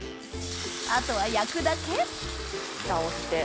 あとは焼くだけフタをして。